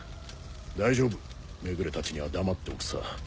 大丈夫目暮たちには黙っておくさ。